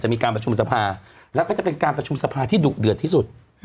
มีการประชุมสภาแล้วก็จะเป็นการประชุมสภาที่ดุเดือดที่สุด